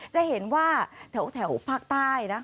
จะเห็นว่าแถวภาคใต้นะ